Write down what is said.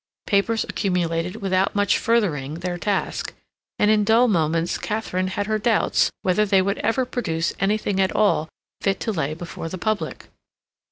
Papers accumulated without much furthering their task, and in dull moments Katharine had her doubts whether they would ever produce anything at all fit to lay before the public.